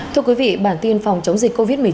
thưa quý vị bản tin phòng chống dịch covid một mươi chín